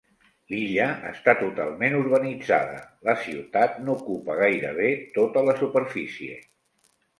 L'illa està totalment urbanitzada: la ciutat n'ocupa gairebé tota la superfície.